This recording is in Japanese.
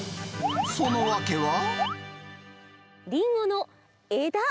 その訳は？